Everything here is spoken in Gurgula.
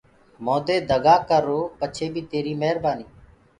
مودي دگآ ڪررو پڇي بيٚ تيريٚ مهربآنيٚ